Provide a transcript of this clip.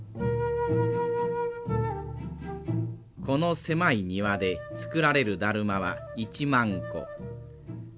この狭い庭で作られるだるまは１万個。